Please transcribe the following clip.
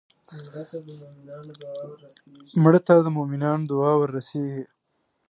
مړه ته د مومنانو دعا ورسېږي